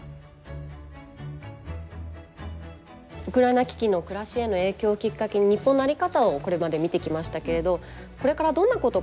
ウクライナ危機の暮らしへの影響をきっかけに日本の在り方をこれまで見てきましたけれどこれからどんなことが大事になるのか。